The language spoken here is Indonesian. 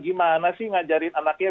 gimana sih ngajarin anaknya